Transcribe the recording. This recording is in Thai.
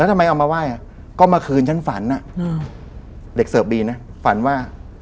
ทำไมเอามาไหว้อ่ะก็เมื่อคืนฉันฝันอ่ะอืมเด็กเสิร์ฟบีนะฝันว่า